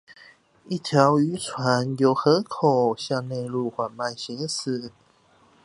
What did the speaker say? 一條漁船由河口向內陸緩慢行駛